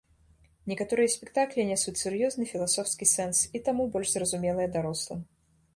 Некаторыя спектаклі нясуць сур'ёзны філасофскі сэнс, і таму больш зразумелыя дарослым.